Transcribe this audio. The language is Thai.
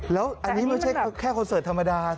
แล้วอันนี้ไม่ใช่แค่คอนเสิร์ตธรรมดา